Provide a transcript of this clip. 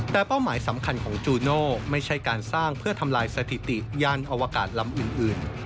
แต่เป้าหมายสำคัญของจูโน่ไม่ใช่การสร้างเพื่อทำลายสถิติยานอวกาศลำอื่น